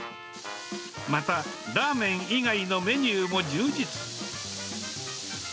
またラーメン以外のメニューも充実。